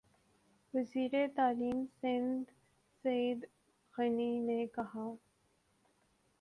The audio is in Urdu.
وزیر تعلیم سندھ سعید غنی نےکہا